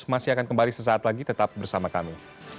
masih akan kembali sesaat lagi tetap bersama kami